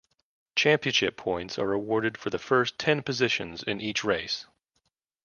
Championship points are awarded for the first ten positions in each race.